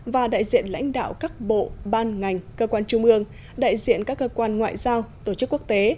và đại diện lãnh đạo các bộ ban ngành cơ quan trung ương đại diện các cơ quan ngoại giao tổ chức quốc tế